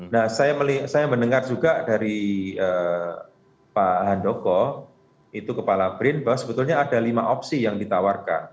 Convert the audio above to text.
nah saya mendengar juga dari pak handoko itu kepala brin bahwa sebetulnya ada lima opsi yang ditawarkan